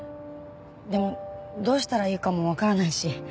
でもどうしたらいいかもわからないし。